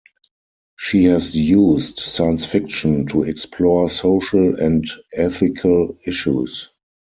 She has used science fiction to explore social and ethical issues.